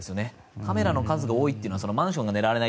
カメラの数が多いというのはマンションが狙われない